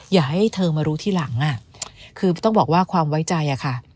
อย่าให้เธอมารู้ทีหลังคือต้องบอกว่าความไว้ใจอะค่ะ